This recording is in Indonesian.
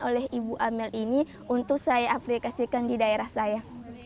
oleh ibu amel ini untuk saya aplikasikan di daerah saya